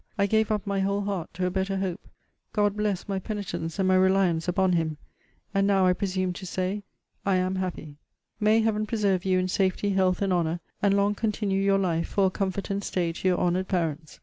I gave up my whole heart to a better hope. God blessed my penitence and my reliance upon him. And now I presume to say, I AM HAPPY. May Heave preserve you in safety, health, and honour, and long continue your life for a comfort and stay to your honoured parents!